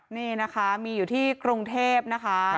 นี่นะคะมีอยู่ที่กรุงเทพนะคะ